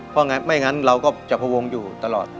เพราะไม่งั้นเราก็จะพวงอยู่ตลอด